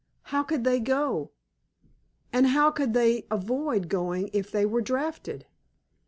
How could they go? And how could they avoid going if they were drafted?